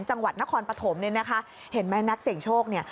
จังหวัดนครปฐมเนี่ยนะคะเห็นไหมนักเสี่ยงโชคเนี่ย